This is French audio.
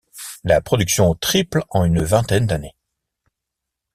La production triple en une vingtaine d'années.